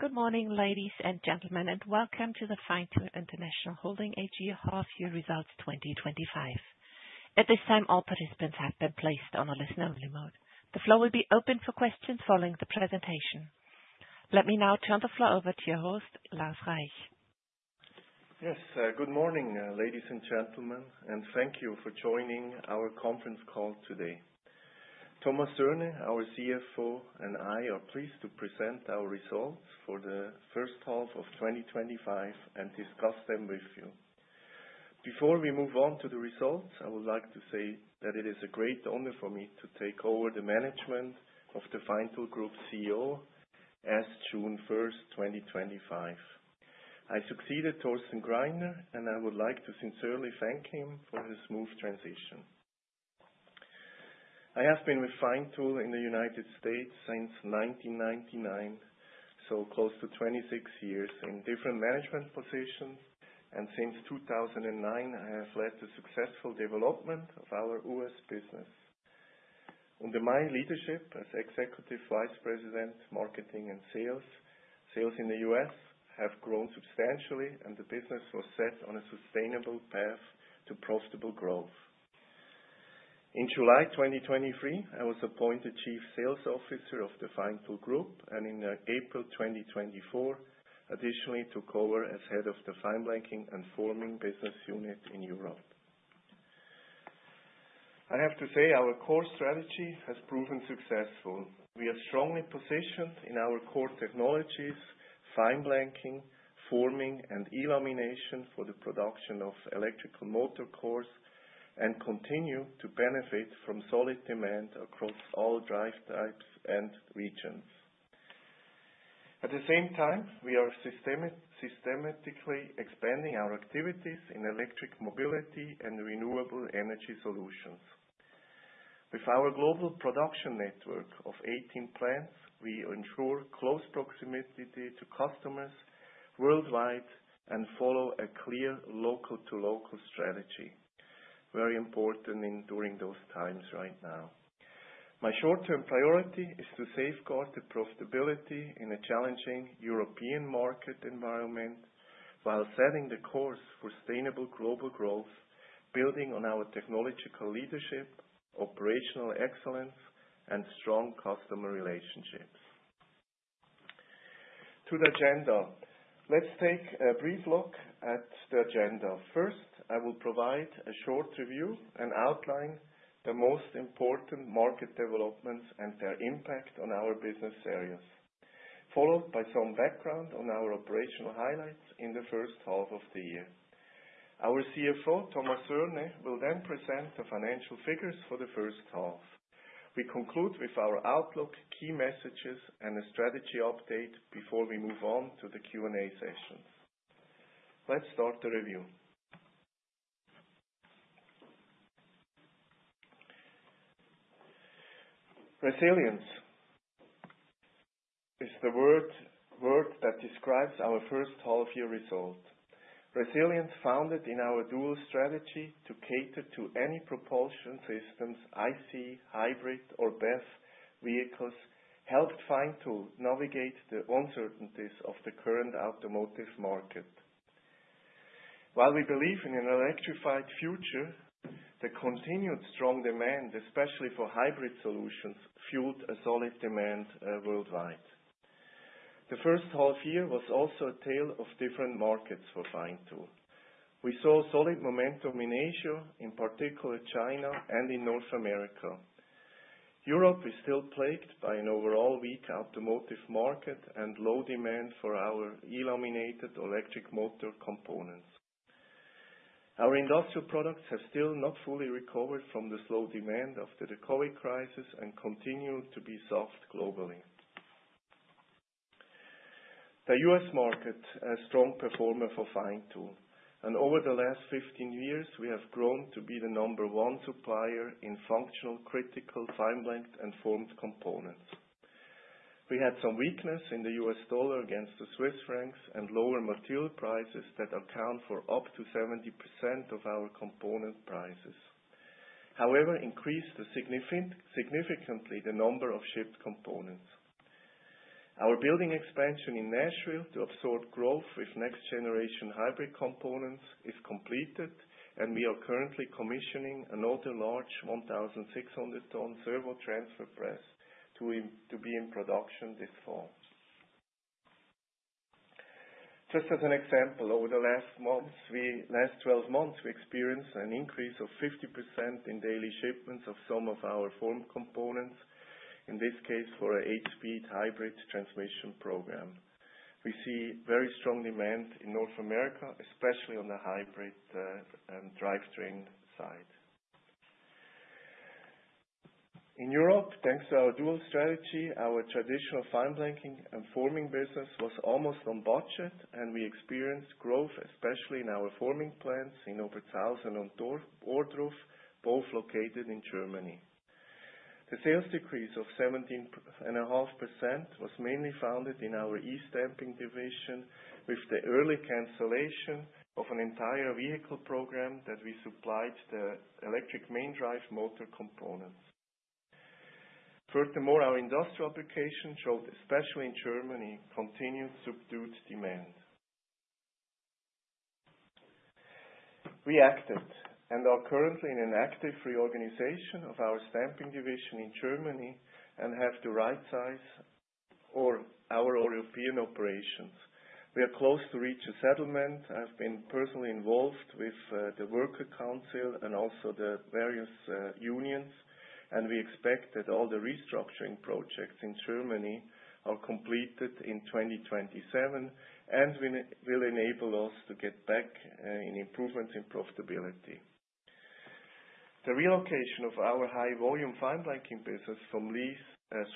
Good morning, ladies and gentlemen, and welcome to the Feintool International Holding AG half-year results 2025. At this time, all participants have been placed on a listen-only mode. The floor will be open for questions following the presentation. Let me now turn the floor over to your host, Lars Reich. Yes, good morning, ladies and gentlemen, and thank you for joining our conference call today. Thomas Erne, our CFO, and I are pleased to present our results for the first half of 2025 and discuss them with you. Before we move on to the results, I would like to say that it is a great honor for me to take over as CEO of the Feintool Group as of June 1, 2025. I succeeded Torsten Greiner, and I would like to sincerely thank him for his smooth transition. I have been with Feintool in the United States since 1999, so close to 26 years, in different management positions, and since 2009, I have led the successful development of our U.S. business. Under my leadership as Executive Vice President, Marketing and Sales, sales in the U.S. have grown substantially, and the business was set on a sustainable path to profitable growth. In July 2023, I was appointed Chief Sales Officer of the Feintool Group, and in April 2024, additionally, took over as head of the fineblanking and forming business unit in Europe. I have to say our core strategy has proven successful. We are strongly positioned in our core technologies, fineblanking, forming, and electro lamination for the production of electric motor cores, and continue to benefit from solid demand across all drive types and regions. At the same time, we are systematically expanding our activities in electric mobility and renewable energy solutions. With our global production network of 18 plants, we ensure close proximity to customers worldwide and follow a clear local-to-local strategy. Very important in during those times right now. My short-term priority is to safeguard the profitability in a challenging European market environment while setting the course for sustainable global growth, building on our technological leadership, operational excellence, and strong customer relationships. To the agenda. Let's take a brief look at the agenda. First, I will provide a short review and outline the most important market developments and their impact on our business areas, followed by some background on our operational highlights in the first half of the year. Our CFO, Thomas Erne, will then present the financial figures for the first half. We conclude with our outlook, key messages, and a strategy update before we move on to the Q&A session. Let's start the review. Resilience is the word, word that describes our first half-year result. Resilience founded in our dual strategy to cater to any propulsion systems, IC, hybrid, or BEV vehicles, helped Feintool navigate the uncertainties of the current automotive market. While we believe in an electrified future, the continued strong demand, especially for hybrid solutions, fueled a solid demand worldwide. The first half year was also a tale of different markets for Feintool. We saw solid momentum in Asia, in particular China and in North America. Europe is still plagued by an overall weak automotive market and low demand for our laminated electric motor components. Our industrial products have still not fully recovered from the slow demand after the COVID crisis and continue to be soft globally. The U.S. market, a strong performer for Feintool, and over the last 15 years, we have grown to be the number one supplier in functional, critical, fineblanked, and formed components. We had some weakness in the US dollar against the Swiss francs and lower material prices that account for up to 70% of our component prices. However, increased significantly the number of shipped components. Our building expansion in Nashville to absorb growth with next-generation hybrid components is completed, and we are currently commissioning another large 1,600-ton servo transfer press to be in production this fall. Just as an example, over the last 12 months, we experienced an increase of 50% in daily shipments of some of our formed components, in this case, for an eight-speed hybrid transmission program. We see very strong demand in North America, especially on the hybrid and drivetrain side. In Europe, thanks to our dual strategy, our traditional fineblanking and forming business was almost on budget, and we experienced growth, especially in our forming plants in Obertraubling and Ohrdruf, both located in Germany. The sales decrease of 17.5% was mainly found in our e-stamping division, with the early cancellation of an entire vehicle program that we supplied the electric main drive motor components. Furthermore, our industrial application showed, especially in Germany, continued subdued demand. We acted, and are currently in an active reorganization of our stamping division in Germany, and have to rightsize for our European operations. We are close to reach a settlement. I've been personally involved with the Works Council and also the various unions, and we expect that all the restructuring projects in Germany are completed in 2027, and will enable us to get back in improvements in profitability. The relocation of our high volume fineblanking business from Lyss,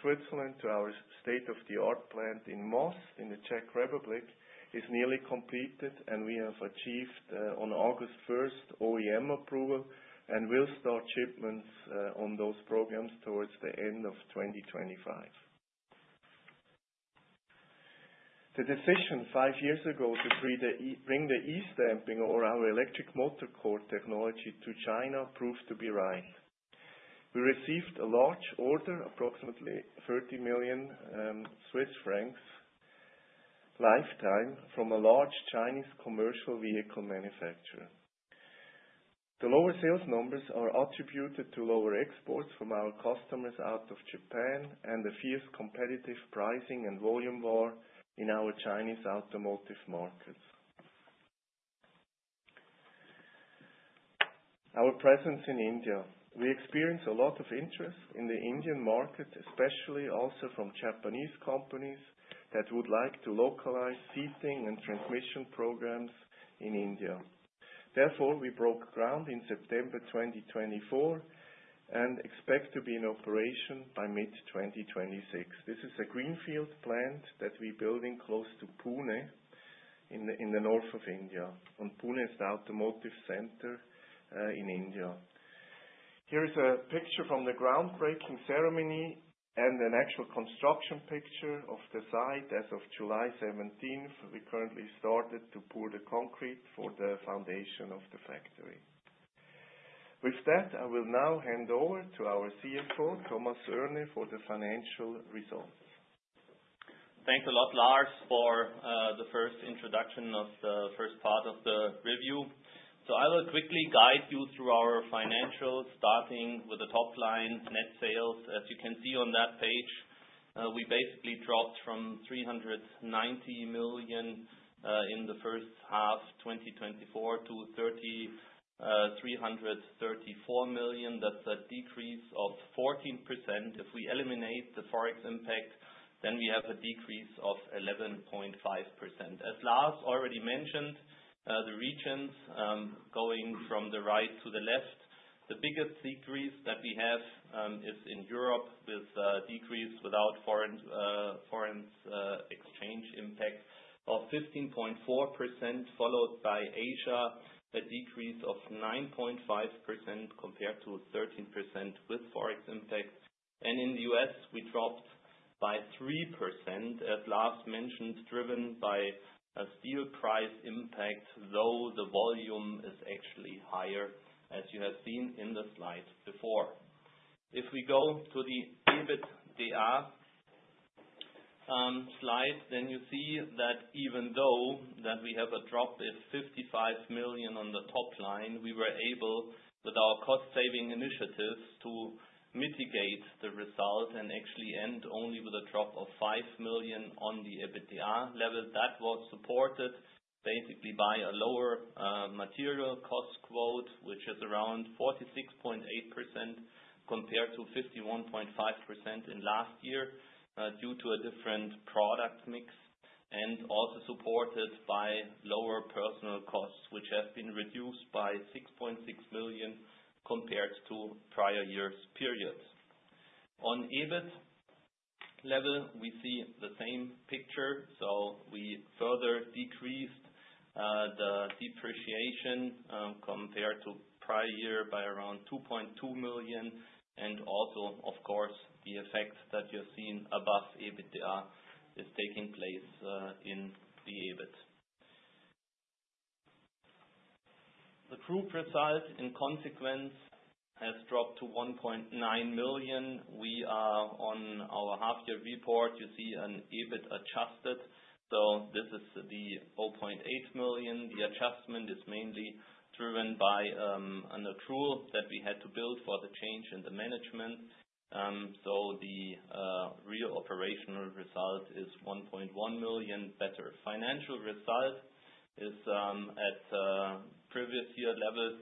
Switzerland to our state-of-the-art plant in Most, in the Czech Republic, is nearly completed, and we have achieved on August 1st, OEM approval, and will start shipments on those programs towards the end of 2025. The decision five years ago to bring the e-stamping or our electric motor core technology to China proved to be right. We received a large order, approximately 30 million Swiss francs lifetime, from a large Chinese commercial vehicle manufacturer. The lower sales numbers are attributed to lower exports from our customers out of Japan, and the fierce competitive pricing and volume war in our Chinese automotive markets. Our presence in India. We experience a lot of interest in the Indian market, especially also from Japanese companies, that would like to localize seating and transmission programs in India. Therefore, we broke ground in September 2024, and expect to be in operation by mid-2026. This is a greenfield plant that we're building close to Pune, in the north of India, and Pune is the automotive center in India. Here is a picture from the groundbreaking ceremony, and an actual construction picture of the site as of July 17th. We currently started to pour the concrete for the foundation of the factory. With that, I will now hand over to our CFO, Thomas Erne, for the financial results. Thanks a lot, Lars, for the first introduction of the first part of the review. So I will quickly guide you through our financials, starting with the top line, net sales. As you can see on that page, we basically dropped from 390 million in the first half 2024 to 334 million. That's a decrease of 14%. If we eliminate the Forex impact, then we have a decrease of 11.5%. As Lars already mentioned, the regions, going from the right to the left, the biggest decrease that we have is in Europe, with a decrease without foreign exchange impact of 15.4%, followed by Asia, a decrease of 9.5% compared to 13% with Forex impact. In the U.S., we dropped by 3%, as Lars mentioned, driven by a steel price impact, though the volume is actually higher, as you have seen in the slide before. If we go to the EBITDA slide, then you see that even though that we have a drop in 55 million on the top line, we were able, with our cost saving initiatives, to mitigate the result and actually end only with a drop of 5 million on the EBITDA level. That was supported basically by a lower material cost quote, which is around 46.8%, compared to 51.5% in last year, due to a different product mix, and also supported by lower personnel costs, which have been reduced by 6.6 million, compared to prior years' periods. On EBIT level, we see the same picture, so we further decreased the depreciation compared to prior year by around 2.2 million, and also, of course, the effects that you're seeing above EBITDA is taking place in the EBIT. The EBIT precisely, in consequence, has dropped to 1.9 million. We are on our half-year report; you see an EBIT adjusted, so this is the 4.8 million. The adjustment is mainly driven by an accrual that we had to build for the change in the management. So the real operational result is 1.1 million. The financial result is at previous year level,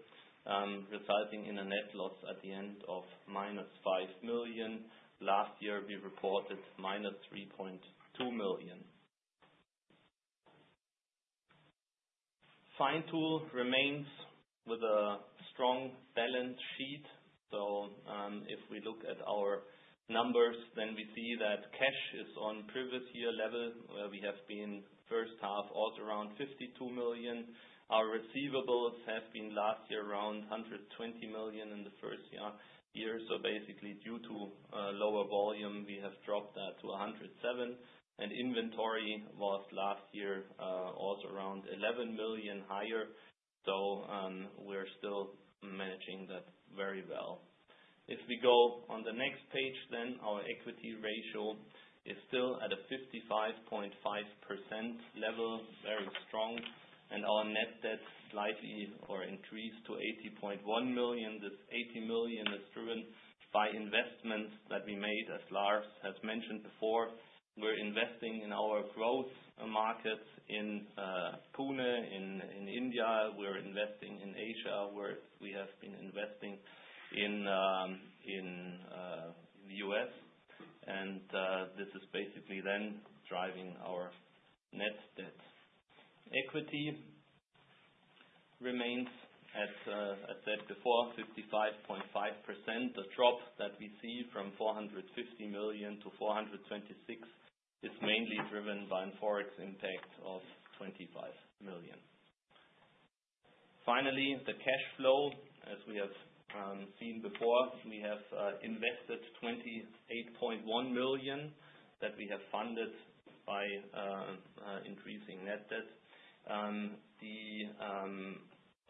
resulting in a net loss at the end of minus 5 million. Last year, we reported minus 3.2 million. Feintool remains with a strong balance sheet. So, if we look at our numbers, then we see that cash is on previous year level, we have been first half at around 52 million. Our receivables have been last year around 120 million in the first half-year, so basically due to we have dropped that to 107 million, and inventory was last year also around 11 million higher. So, we're still managing that very well. If we go on the next page, then our equity ratio is still at a 55.5% level, very strong, and our net debt slightly increased to 80.1 million. This 80 million is driven by investments that we made, as Lars has mentioned before. We're investing in our growth markets in Pune in India. We're investing in Asia, where we have been investing in the U.S., and this is basically then driving our net debt. Equity remains at, I said before, 55.5%. The drop that we see from 450 million to 426 million is mainly driven by a Forex impact of 25 million. Finally, the cash flow, as we have seen before, we have invested 28.1 million that we have funded by increasing net debt. The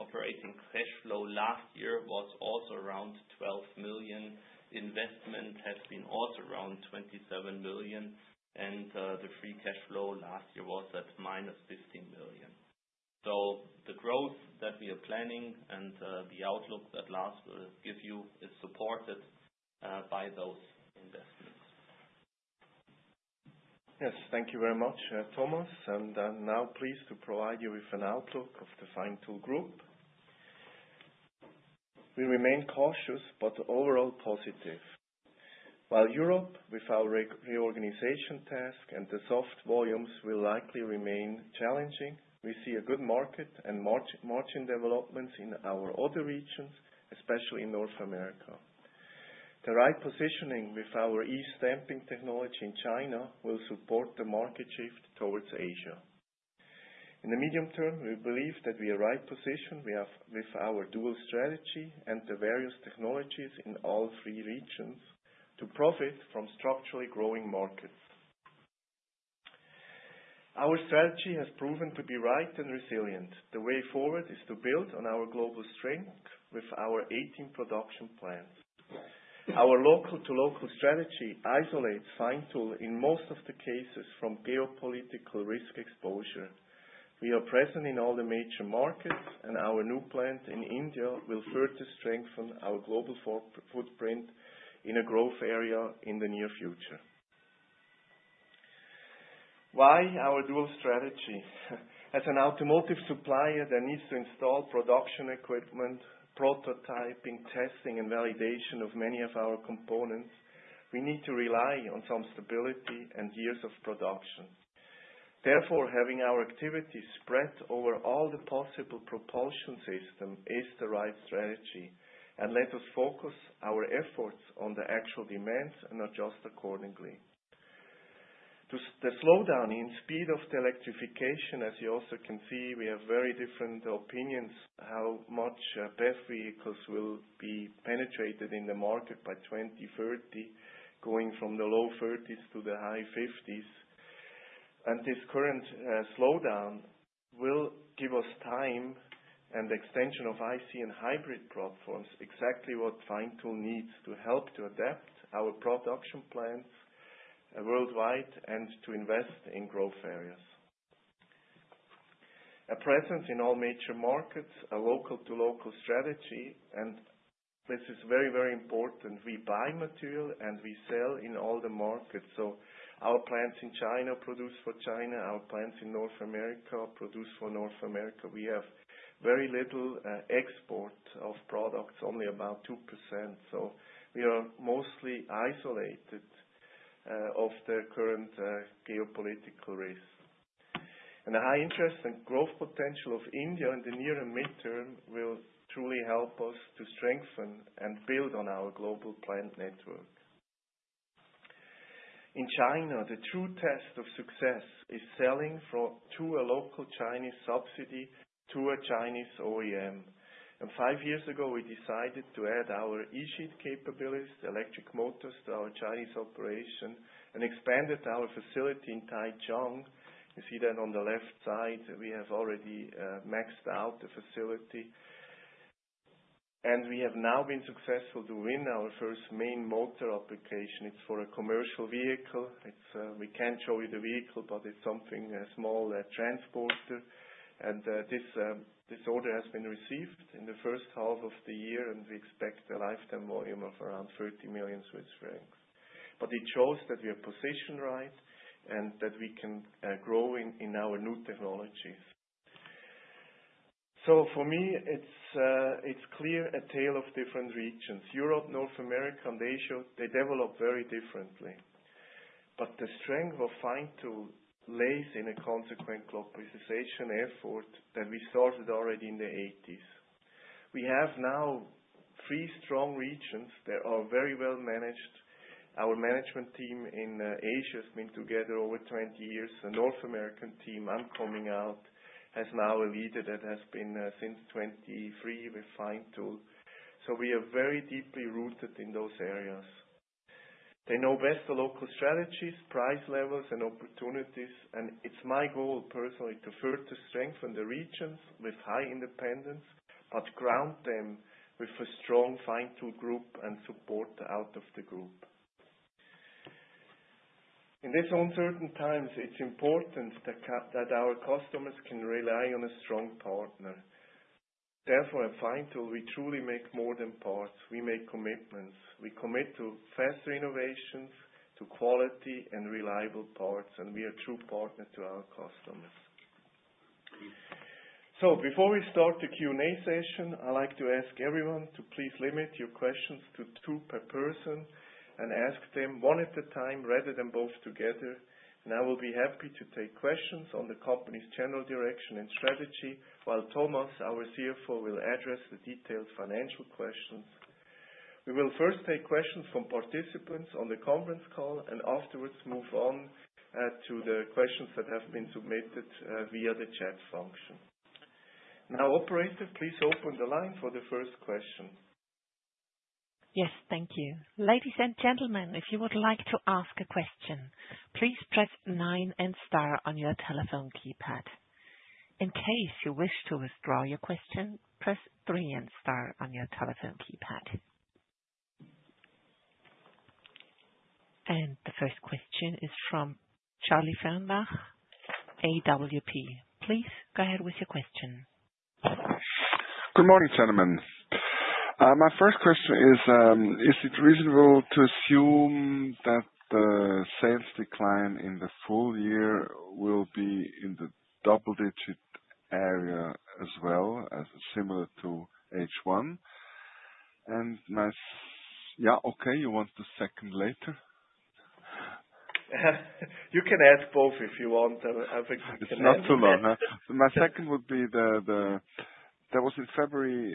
operating cash flow last year was also around 12 million. Investment has been also around 27 million, and the free cash flow last year was at -15 million. So the growth that we are planning and the outlook that Lars will give you is supported by those investments. Yes, thank you very much, Thomas, and I'm now pleased to provide you with an outlook of the Feintool Group. We remain cautious, but overall positive. While Europe, with our reorganization task and the soft volumes, will likely remain challenging, we see a good market and margin developments in our other regions, especially in North America. The right positioning with our e-stamping technology in China will support the market shift towards Asia. In the medium term, we believe that we are right positioned with our dual strategy and the various technologies in all three regions to profit from structurally growing markets. Our strategy has proven to be right and resilient. The way forward is to build on our global strength with our 18 production plants. Our local-to-local strategy isolates Feintool in most of the cases from geopolitical risk exposure. We are present in all the major markets, and our new plant in India will further strengthen our global footprint in a growth area in the near future. Why our dual strategy? As an automotive supplier that needs to install production equipment, prototyping, testing, and validation of many of our components, we need to rely on some stability and years of production. Therefore, having our activities spread over all the possible propulsion system is the right strategy, and let us focus our efforts on the actual demands and adjust accordingly. To see the slowdown in speed of the electrification, as you also can see, we have very different opinions how much BEV vehicles will be penetrated in the market by 2030, going from the low 30s to the high 50s. And this current slowdown will give us time and extension of IC and hybrid platforms, exactly what Feintool needs to help to adapt our production plants worldwide and to invest in growth areas. A presence in all major markets, a local-to-local strategy, and this is very, very important. We buy material, and we sell in all the markets, so our plants in China produce for China, our plants in North America produce for North America. We have very little export of products, only about 2%, so we are mostly isolated of the current geopolitical risk. And the high interest and growth potential of India in the near and mid-term will truly help us to strengthen and build on our global plant network. In China, the true test of success is selling through a local Chinese subsidiary to a Chinese OEM. Five years ago, we decided to add our e-sheet capabilities, electric motors, to our Chinese operation and expanded our facility in Taicang. You see that on the left side, we have already maxed out the facility. We have now been successful to win our first main motor application. It's for a commercial vehicle. It's we can't show you the vehicle, but it's something, a small transporter. This order has been received in the first half of the year, and we expect a lifetime volume of around 30 million Swiss francs. But it shows that we are positioned right and that we can grow in our new technologies. For me, it's clear a tale of different regions. Europe, North America, and Asia, they develop very differently. But the strength of Feintool lays in a consequent globalization effort that we started already in the 1980s. We have now three strong regions that are very well managed. Our management team in Asia has been together over 20 years. The North American team, I'm coming from, has now a leader that has been since 2023 with Feintool. So we are very deeply rooted in those areas. They know best the local strategies, price levels, and opportunities, and it's my goal personally to further strengthen the regions with high independence, but ground them with a strong Feintool Group and support out of the group. In this uncertain times, it's important that that our customers can rely on a strong partner. Therefore, at Feintool, we truly make more than parts, we make commitments. We commit to faster innovations, to quality and reliable parts, and we are a true partner to our customers. Before we start the Q&A session, I'd like to ask everyone to please limit your questions to two per person, and ask them one at a time, rather than both together. I will be happy to take questions on the company's general direction and strategy, while Thomas, our CFO, will address the detailed financial questions. We will first take questions from participants on the conference call, and afterwards, move on to the questions that have been submitted via the chat function. Now, operator, please open the line for the first question. Yes, thank you. Ladies and gentlemen, if you would like to ask a question, please press nine and star on your telephone keypad. In case you wish to withdraw your question, press three and star on your telephone keypad. And the first question is from Charlie Felmbach, AWP. Please go ahead with your question. Good morning, gentlemen. My first question is, is it reasonable to assume that the sales decline in the full year will be in the double digit area as well as similar to H1? Yeah, okay, you want the second later? You can ask both if you want. I, I think we can answer. It's not too long, huh? My second would be: there was in February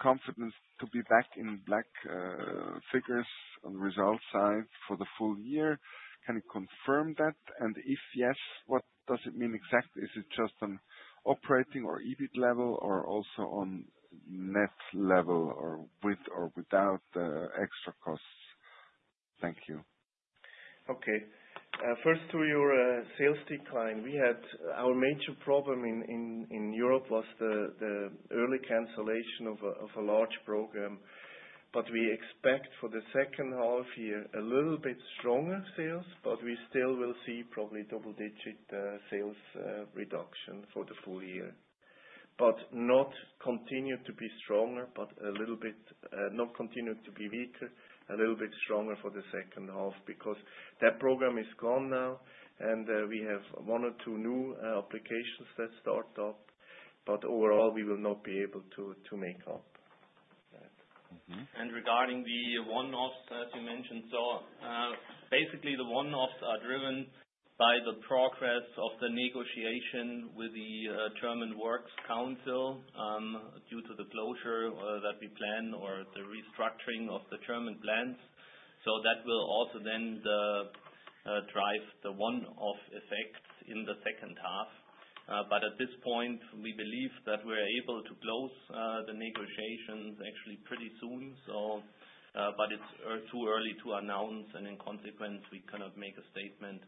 confidence to be back in black figures on the result side for the full year. Can you confirm that? And if yes, what does it mean exactly? Is it just on operating or EBIT level, or also on net level, or with or without the extra costs? Thank you. Okay. First, to your sales decline, we had our major problem in Europe was the early cancellation of a large program. But we expect for the second half year, a little bit stronger sales, but we still will see probably double digit sales reduction for the full year. But not continue to be stronger, but a little bit not continue to be weaker, a little bit stronger for the second half, because that program is gone now, and we have one or two new applications that start up. But overall, we will not be able to make up. Mm-hmm. Regarding the one-offs, as you mentioned, basically, the one-offs are driven by the progress of the negotiation with the German Works Council, due to the closure that we plan or the restructuring of the German plants. That will also drive the one-off effect in the second half. But at this point, we believe that we're able to close the negotiations actually pretty soon. But it's too early to announce, and in consequence, we cannot make a statement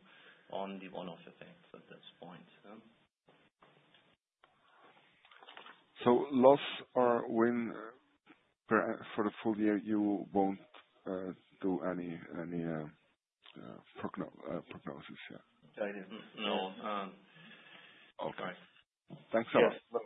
on the one-off effects at this point. So loss or win, for the full year, you won't do any prognosis, yeah? No. Okay. Thanks a lot. Yes, no.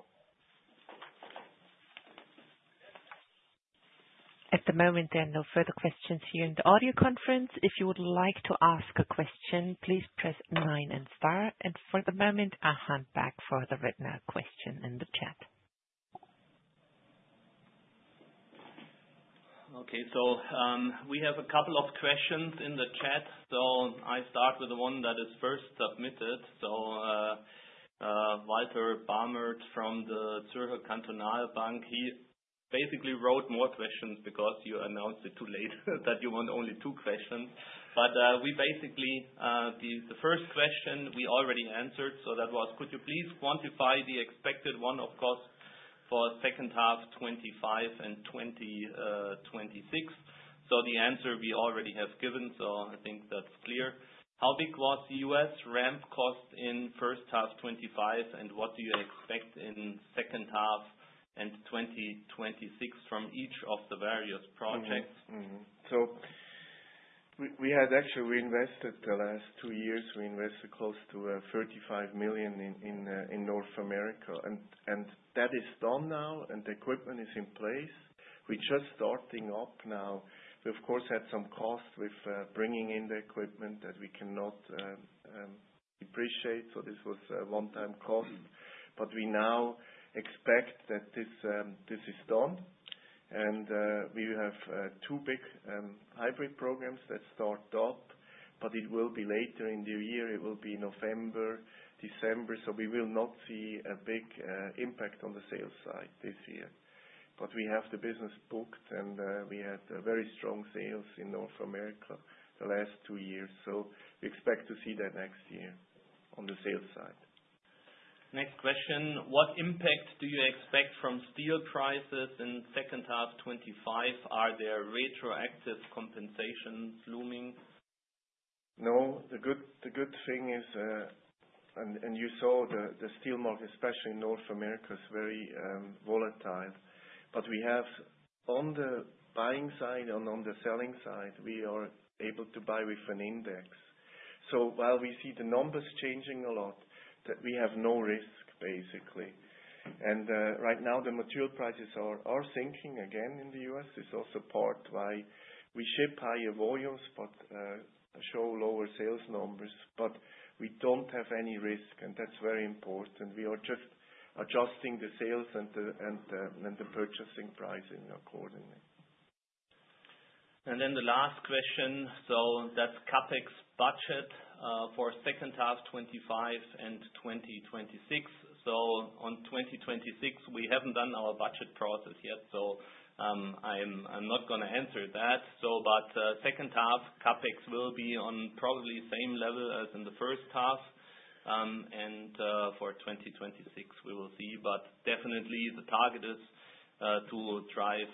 At the moment, there are no further questions here in the audio conference. If you would like to ask a question, please press nine and star. For the moment, I hand back for the written down question in the chat. Okay. So, we have a couple of questions in the chat, so I start with the one that is first submitted. So, Walter Bamert from the Zürcher Kantonalbank, he basically wrote more questions because you announced it too late, that you want only two questions. But, we basically, the first question we already answered, so that was: Could you please quantify the expected one-off costs for second half 2025 and 2026? So the answer we already have given, so I think that's clear. How big was the U.S. ramp cost in first half 2025, and what do you expect in second half 2025 and 2026 from each of the various projects? Mm-hmm. Mm-hmm. So we had actually reinvested the last two years. We invested close to 35 million in North America. And that is done now, and the equipment is in place. We're just starting up now. We, of course, had some costs with bringing in the equipment that we cannot depreciate, so this was a one-time cost. But we now expect that this is done, and we have two big hybrid programs that start up, but it will be later in the year. It will be November, December, so we will not see a big impact on the sales side this year but we have the business booked, and we had very strong sales in North America the last two years. So we expect to see that next year on the sales side. Next question: What impact do you expect from steel prices in second half 2025? Are there retroactive compensations looming? No, the good thing is, and you saw the steel market, especially in North America, is very volatile. But we have, on the buying side and on the selling side, we are able to buy with an index. So while we see the numbers changing a lot, that we have no risk, basically. And right now, the material prices are sinking again in the U.S. It's also part why we ship higher volumes, but show lower sales numbers. But we don't have any risk, and that's very important. We are just adjusting the sales and the purchasing pricing accordingly. And then the last question, so that's CapEx budget for second half 2025 and 2026. So on 2026, we haven't done our budget process yet, so I'm not gonna answer that. So, but second half, CapEx will be on probably same level as in the first half. And for 2026, we will see. But definitely, the target is to drive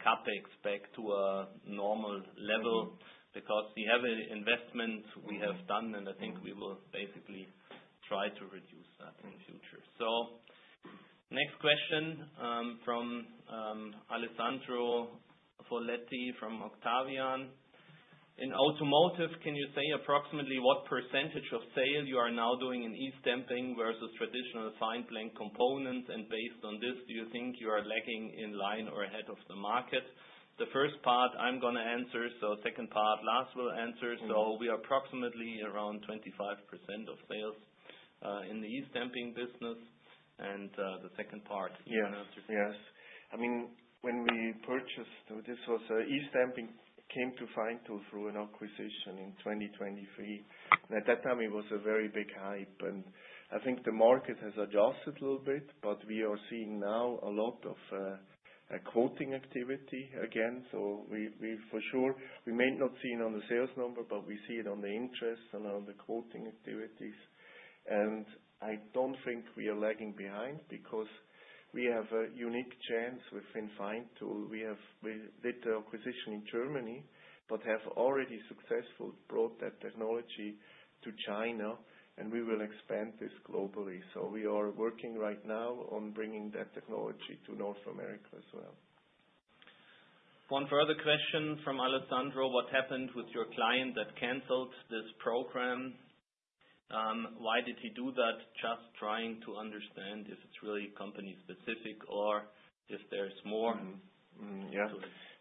CapEx back to a normal level. Mm-hmm. because we have a investment we have done, and I think we will basically try to reduce that in future. So next question, from, Alessandro Foletti from Octavian. In automotive, can you say approximately what percentage of sales you are now doing in e-stamping versus traditional fineblanked components? And based on this, do you think you are lagging in line or ahead of the market? The first part, I'm gonna answer, so second part, Lars will answer. Mm-hmm. So we are approximately around 25% of sales in the e-stamping business. And the second part, you wanna answer? Yes, yes. I mean, when we purchased, so this was, e-stamping came to Feintool through an acquisition in 2023. At that time, it was a very big hype, and I think the market has adjusted a little bit, but we are seeing now a lot of, a quoting activity again. So we, we for sure, we may not see it on the sales number, but we see it on the interest and on the quoting activities. And I don't think we are lagging behind, because we have a unique chance within Feintool. We have with with the acquisition in Germany, but have already successfully brought that technology to China, and we will expand this globally. So we are working right now on bringing that technology to North America as well. One further question from Alessandro Foletti: What happened with your client that canceled this program? Why did he do that? Just trying to understand if it's really company specific or if there's more. Yeah.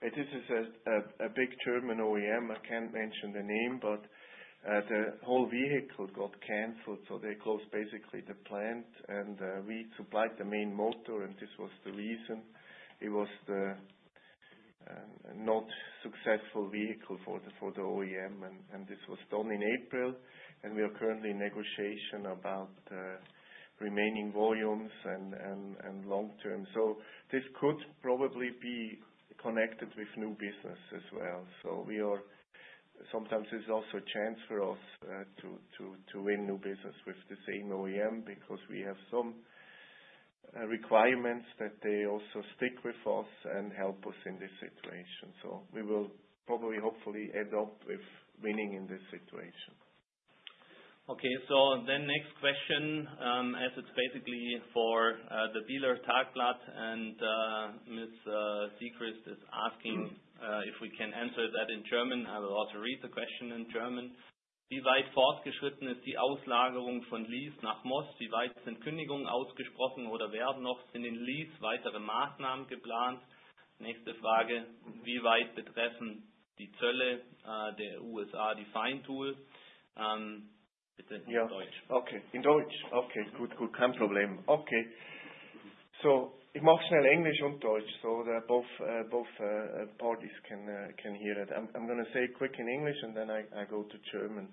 It is a big German OEM. I can't mention the name, but the whole vehicle got canceled, so they closed basically the plant. And we supplied the main motor, and this was the reason. It was the not successful vehicle for the OEM, and this was done in April, and we are currently in negotiation about remaining volumes and long term. So this could probably be connected with new business as well. So we are... Sometimes it's also a chance for us to win new business with the same OEM, because we have some requirements that they also stick with us and help us in this situation. So we will probably, hopefully end up with winning in this situation. Okay, so then next question, as it's basically for the dealer, Tagblatt, and Ms. Siegrist is asking- Mm. If we can answer that in German. I will also read the question in German. Yeah. Okay. In Deutsch? Okay, good, good. Kein Problem. Okay. So, English und Deutsch, so that both, both parties can, can hear it. I'm, I'm gonna say quick in English, and then I, I go to German.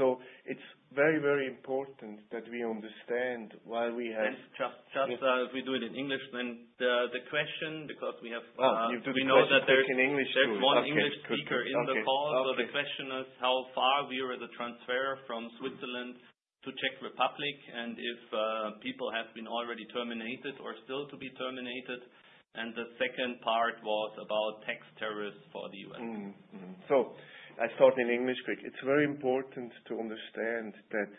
So it's very, very important that we understand why we have- Yes, just, just, we do it in English, then. The, the question, because we have, Oh, you do the question in English. We know that there's... In English. Okay. There's one English speaker in the call. Okay. So the question is, how far we are the transfer from Switzerland to Czech Republic, and if people have been already terminated or still to be terminated? And the second part was about tax tariffs for the U.S. So I start in English quick. It's very important to understand that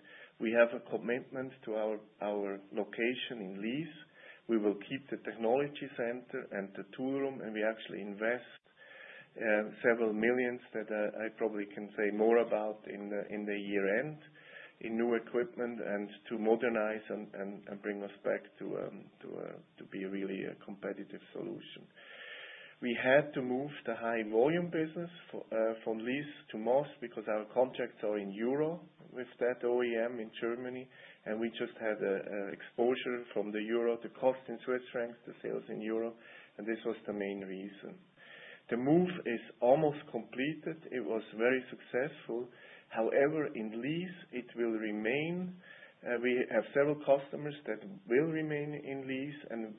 we have a commitment to our location in Lyss. We will keep the technology center and the tool room, and we actually invest several million CHF, that I probably can say more about in the year end, in new equipment and to modernize and bring us back to be really a competitive solution. We had to move the high volume business from Lyss to Most, because our contracts are in EUR with that OEM in Germany, and we just had a exposure from the EUR, the cost in CHF, the sales in EUR, and this was the main reason. The move is almost completed. It was very successful. However, in Lyss, it will remain. We have several customers that will remain in Lyss, and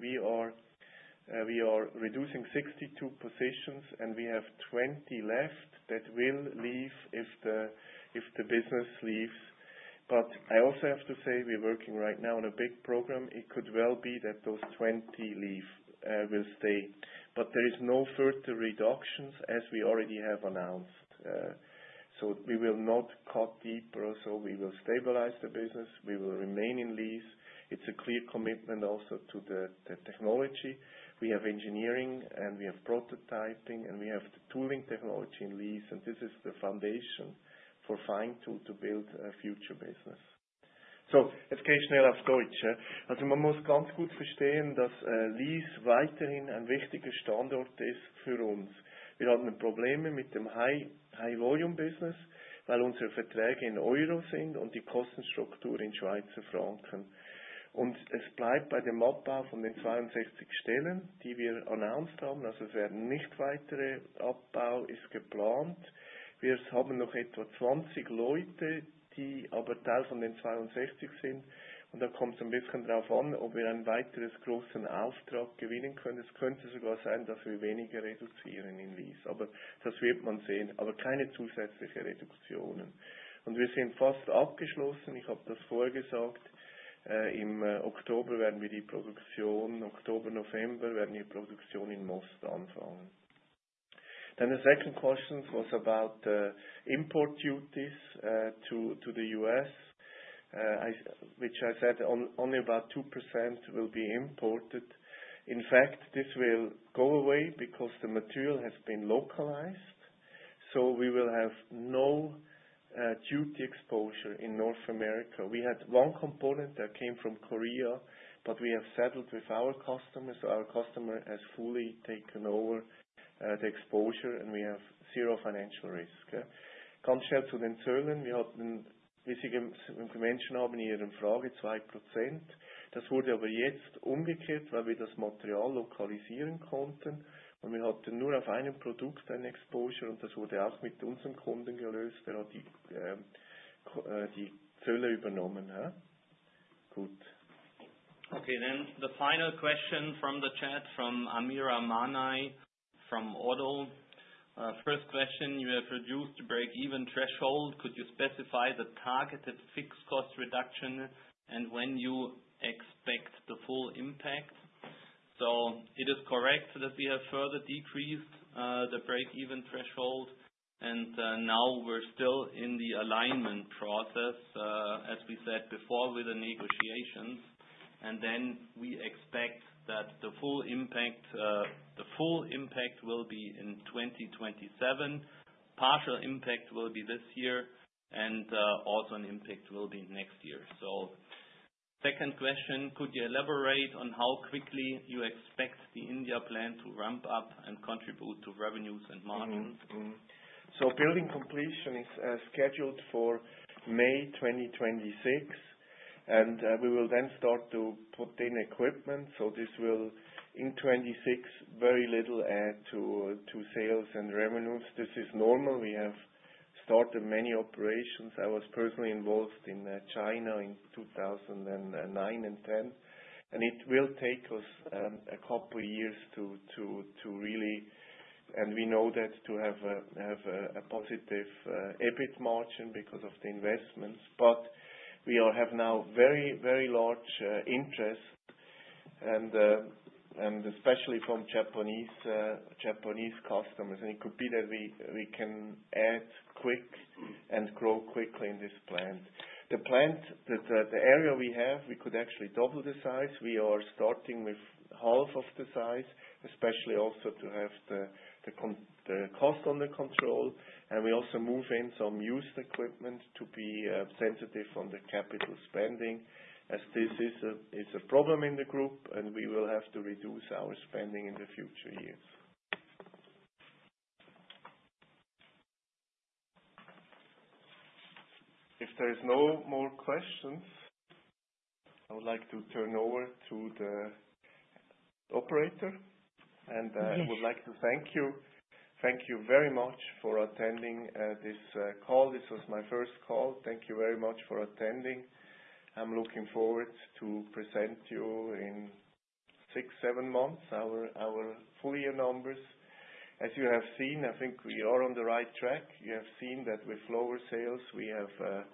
we are reducing 62 positions, and we have 20 left that will leave if the business leaves. But I also have to say, we're working right now on a big program. It could well be that those 20 leave will stay, but there is no further reductions as we already have announced. So we will not cut deeper, so we will stabilize the business. We will remain in Lyss. It's a clear commitment also to the technology. We have engineering, and we have prototyping, and we have the tooling technology in Lyss, and this is the foundation for Feintool to build a future business. So then the second question was about import duties to the U.S. Which I said, only about 2% will be imported. In fact, this will go away because the material has been localized, so we will have no duty exposure in North America. We had one component that came from Korea, but we have settled with our customers. Our customer has fully taken over the exposure, and we have zero financial risk. Okay, then the final question from the chat, from Amira Manai, from ODDO BHF. First question, you have reduced the break-even threshold. Could you specify the targeted fixed cost reduction and when you expect the full impact? So it is correct that we have further decreased the break-even threshold, and now we're still in the alignment process, as we said before, with the negotiations. And then we expect that the full impact, the full impact will be in 2027. Partial impact will be this year, and also an impact will be next year. So second question, could you elaborate on how quickly you expect the India plant to ramp up and contribute to revenues and margins? Mm-hmm, mm-hmm. So building completion is scheduled for May 2026, and we will then start to put in equipment. So this will, in 2026, very little add to sales and revenues. This is normal. We have started many operations. I was personally involved in China in 2009 and 2010, and it will take us a couple of years to really... And we know that to have a positive EBIT margin because of the investments. But we all have now very, very large interest, and especially from Japanese customers, and it could be that we can add quick and grow quickly in this plant. The plant, the area we have, we could actually double the size. We are starting with half of the size, especially also to have the cost under control. And we also move in some used equipment to be sensitive on the capital spending, as this is a problem in the group, and we will have to reduce our spending in the future years. If there's no more questions, I would like to turn over to the operator. Yes. I would like to thank you. Thank you very much for attending this call. This was my first call. Thank you very much for attending. I'm looking forward to present you in six-seven months, our full year numbers. As you have seen, I think we are on the right track. You have seen that with lower sales, we have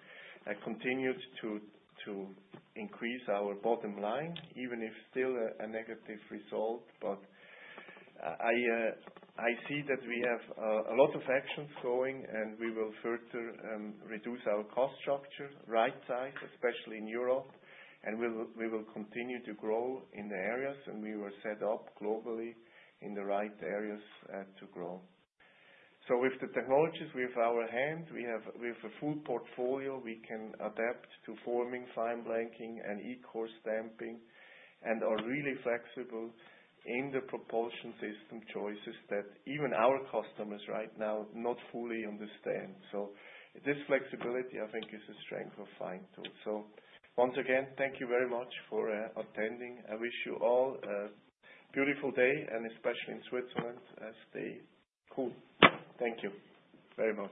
continued to increase our bottom line, even if still a negative result. But I see that we have a lot of actions going, and we will further reduce our cost structure, right size, especially in Europe, and we will continue to grow in the areas, and we were set up globally in the right areas to grow. So with the technologies, with our hand, we have... We have a full portfolio, we can adapt to forming, fineblanking, and e-core stamping, and are really flexible in the propulsion system choices that even our customers right now not fully understand. So this flexibility, I think, is a strength of Feintool, too. So once again, thank you very much for attending. I wish you all a beautiful day, and especially in Switzerland, stay cool. Thank you very much.